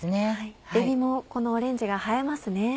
えびもこのオレンジが映えますね。